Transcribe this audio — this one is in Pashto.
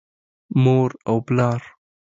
مور او پلار